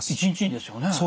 １日にですよね？